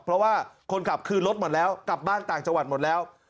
เพราะว่าคนขับคือรถหมดแล้วกลับบ้านต่างจังหวัดหมดแล้ว